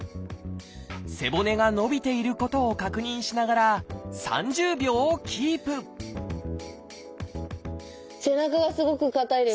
背骨が伸びていることを確認しながら３０秒キープ背中がすごく硬いです。